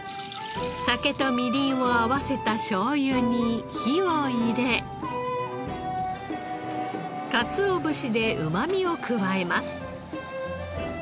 酒とみりんを合わせたしょうゆに火を入れかつお節でうまみを加えます。